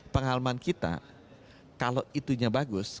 pengalaman kita kalau itunya bagus